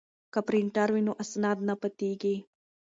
که پرینټر وي نو اسناد نه پاتیږي.